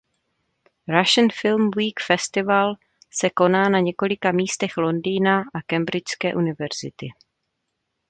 Russian Film Week festival se koná na několika místech Londýna a Cambridgeské univerzity.